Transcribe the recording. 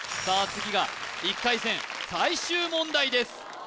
次が１回戦最終問題です